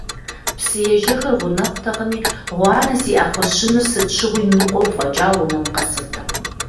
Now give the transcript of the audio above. Псыежэхыр гъунэгъутэкъыми, гъуанэ зиӀэ кхъуэщыныр сыт щыгъуи ныкъуэу фӀэкӀа унэм къэсыртэкъым.